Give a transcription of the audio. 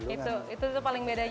itu itu paling bedanya